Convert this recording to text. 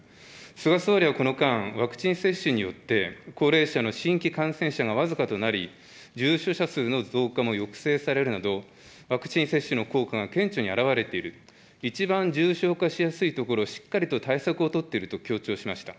菅総理はこの間、ワクチン接種によって、高齢者の新規感染者が僅かとなり、重症者数の増加も抑制されるなど、ワクチン接種の効果が顕著に表れている、一番重症化しやすいところ、しっかりと対策を取っていると強調しました。